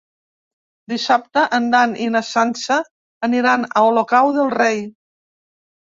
Dissabte en Dan i na Sança aniran a Olocau del Rei.